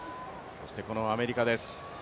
そしてアメリカです